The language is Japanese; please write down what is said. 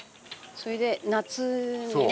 それで夏にね。